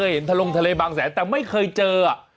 ให้เห็นถลงทะเลมากนายแต่ก็ไม่เคยเจออ่ะ